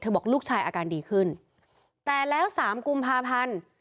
บอกลูกชายอาการดีขึ้นแต่แล้วสามกุมภาพันธ์